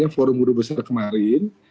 forum guru besar kemarin